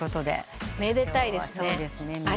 めでたいですね。